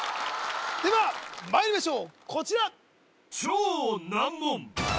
ではまいりましょうこちら